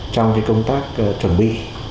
trong công tác chuẩn bị